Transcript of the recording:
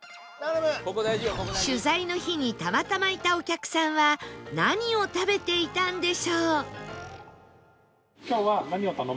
取材の日にたまたまいたお客さんは何を食べていたんでしょう？